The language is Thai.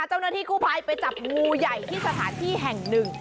เจ้าหน้าที่กู้ภัยไปจับงูใหญ่ที่สถานที่แห่งหนึ่ง